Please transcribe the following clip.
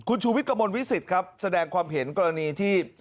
คุณชุวิตกะมนต์วิสิตแสดงความเห็นกรณีที่